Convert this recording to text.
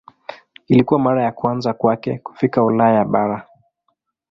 Ilikuwa mara ya kwanza kwake kufika Ulaya bara.